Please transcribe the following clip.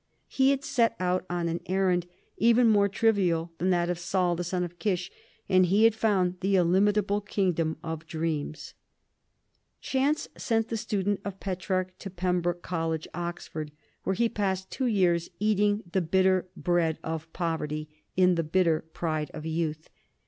He had set out on an errand even more trivial than that of Saul the son of Kish, and he had found the illimitable kingdom of dreams. [Sidenote: 1728 The college days of Dr. Johnson] Chance sent the student of Petrarch to Pembroke College, Oxford, where he passed two years eating the bitter bread of poverty in the bitter pride of youth.